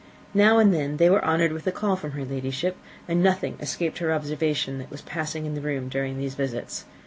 Now and then they were honoured with a call from her Ladyship, and nothing escaped her observation that was passing in the room during these visits.